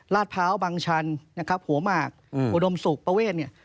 ลาดพร้าวบังชันหัวหมากหัวดมสุกประเวท